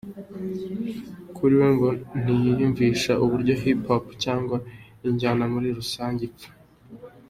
Kuri we ngo ntiyiyumvisha uburyo Hip Hop cyangwa injyana muri rusange ipfa.